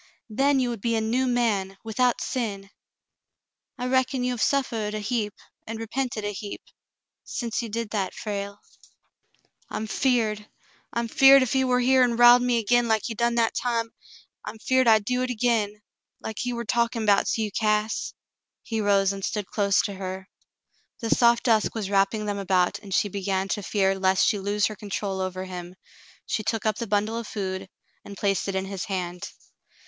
"Then you would be a new man, without sin. I reckon you have suffered a heap, and repented a heap — since you did that, Frale ?" "I'm 'feared — I'm 'feared ef he war here an' riled me agin like he done that time — I'm 'feared I'd do hit agin — like he war talkin' 'bouts you, Cass." He rose and stood close to her. The soft dusk was wrapping them about, and she began to fear lest she lose her control over him. She took up the bundle of food and placed it in his hand.